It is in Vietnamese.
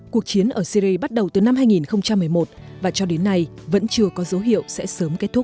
cuộc chiến ở syri bắt đầu từ năm hai nghìn một mươi một và cho đến nay vẫn chưa có dấu hiệu sẽ sớm kết thúc